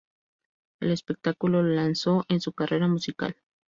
El espectáculo lo lanzó en su carrera musical.